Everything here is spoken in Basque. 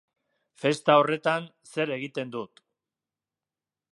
Festa horretan, zer egiten dut.